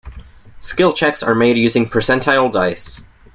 Skill checks are made using percentile dice.